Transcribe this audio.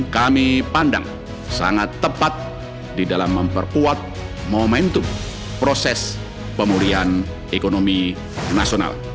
kami pandang sangat tepat di dalam memperkuat momentum proses pemulihan ekonomi nasional